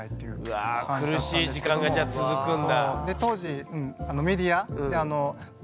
うわぁ苦しい時間が続くんだ。